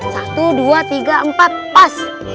satu dua tiga empat pas